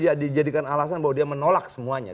ya dijadikan alasan bahwa dia menolak semuanya